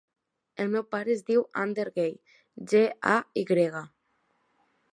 El meu pare es diu Ander Gay: ge, a, i grega.